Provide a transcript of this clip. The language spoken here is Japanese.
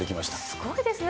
すごいですね。